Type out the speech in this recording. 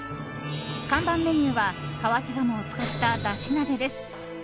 看板メニューは河内鴨を使った、だし鍋です。